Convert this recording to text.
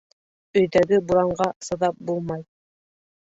Өйҙәге буранға сыҙап булмай.